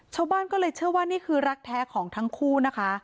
ชาวบ้านก็เลยเชื่อว่านี่คือรักแท้ของทั้งคู่นะคะ